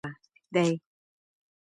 دي